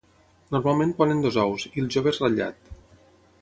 Normalment ponen dos ous, i el jove és ratllat.